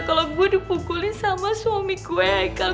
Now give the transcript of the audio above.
kalau gue dipukulin sama suami gue hai kal